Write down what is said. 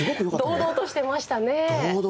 堂々としてましたね。